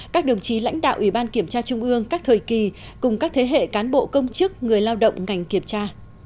các đồng chí lãnh đạo ủy ban kiểm tra trung ương các thời kỳ cùng các thế hệ cán bộ công chức người lao động ngành kiểm tra